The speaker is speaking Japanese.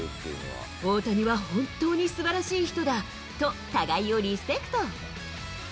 大谷は本当にすばらしい人だと、互いをリスペクト。